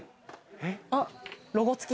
あっロゴ付き？